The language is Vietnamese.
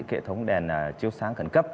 kệ thống đèn chiếu sáng khẩn cấp